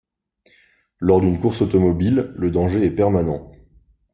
Lors d'une course automobile, le danger est permanent.